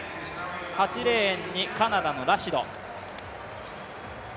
８レーンにカナダのラシド。